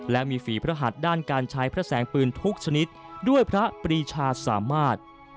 และมีฝีพระหัสด้านการใช้พระแสงปืนทุกชนิดด้วยพระปรีชาสามารถ